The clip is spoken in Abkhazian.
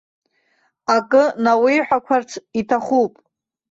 Акы науеиҳәақәарц иҭахуп.